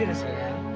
jangan tidur ya